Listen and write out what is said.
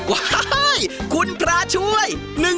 ว้าวเฮ้ยคุณพระช่วย